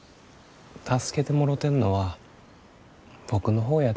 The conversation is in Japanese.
助けてもろてんのは僕の方やで。